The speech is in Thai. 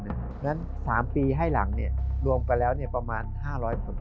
เพราะฉะนั้น๓ปีให้หลังรวมกันแล้วประมาณ๕๐๐คน